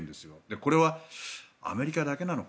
これはアメリカだけなのか。